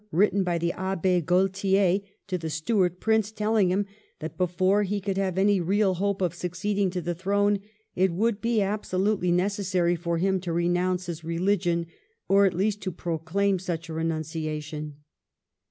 written by the Abb^ Gaultier to the Stuart Prince telling him that before he could have any re^il hope of succeeding to the throne it would be alasolutely necessary for him to renounce his religion, or at least to proclaim such a renunciation.